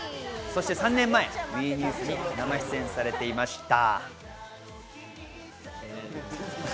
そして３年前、ＷＥニュースに生出演されていました。